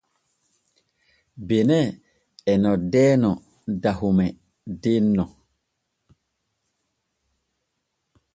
Benin e noddeeno Dahome denno.